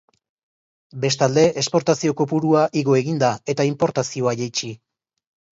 Bestalde, esportazio kopurua igo egin da, eta inportazioa jaitsi.